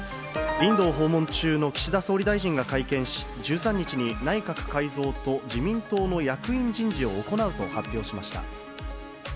インドを訪問中の岸田総理大臣が会見し、１３日に内閣改造と自民党の役員人事を行うと発表しました。